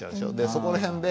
そこら辺で。